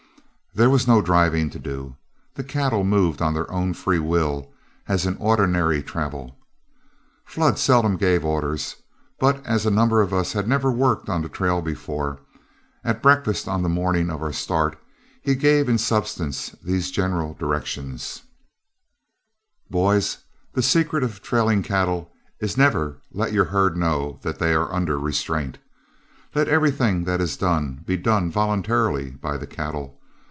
There was no driving to do; the cattle moved of their own free will as in ordinary travel. Flood seldom gave orders; but, as a number of us had never worked on the trail before, at breakfast on the morning of our start he gave in substance these general directions: "Boys, the secret of trailing cattle is never to let your herd know that they are under restraint. Let everything that is done be done voluntarily by the cattle.